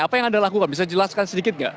apa yang anda lakukan bisa jelaskan sedikit nggak